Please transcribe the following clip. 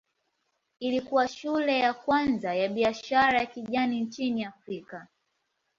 Ilikuwa shule ya kwanza ya biashara ya kijani nchini Afrika.